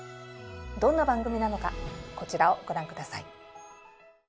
どんな番組なのかこちらをご覧下さい。